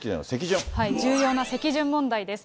重要な席順問題です。